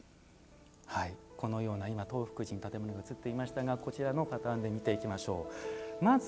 このような今、東福寺の建物が映っていましたがこちらのパターンで見ていきましょう。